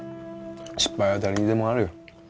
失敗は誰にでもあるよ